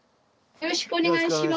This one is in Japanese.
よろしくお願いします。